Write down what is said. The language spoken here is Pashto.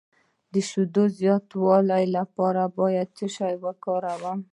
د شیدو زیاتولو لپاره باید څه شی وکاروم؟